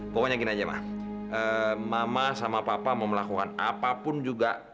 pokoknya gini aja mah mama sama papa mau melakukan apapun juga